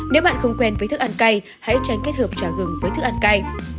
nếu bạn không quen với thức ăn cay hãy tránh kết hợp trà gừng với thức ăn cay